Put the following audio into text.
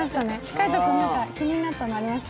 海音君気になったのありました？